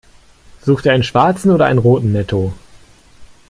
Sucht ihr einen schwarzen oder einen roten Netto?